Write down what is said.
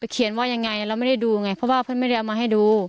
เขียนว่ายังไงเราไม่ได้ดูไงเพราะว่าเพื่อนไม่ได้เอามาให้ดู